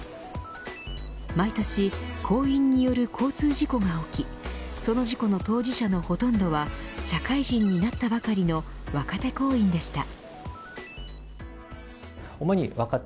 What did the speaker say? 毎年、行員による交通事故が起きその事故の当事者のほとんどは社会人になったばかりの若手行員でした。